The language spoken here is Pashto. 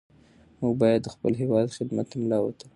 موږ باید د خپل هېواد خدمت ته ملا وتړو.